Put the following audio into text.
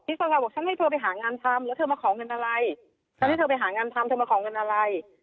มีต้นทรายบวกฉะนั้นไปหางานทำแล้วเธอมาของเงินอะไร